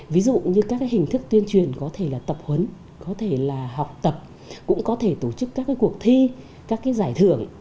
ví dụ như các hình thức tuyên truyền có thể là tập huấn có thể là học tập cũng có thể tổ chức các cái cuộc thi các cái giải thưởng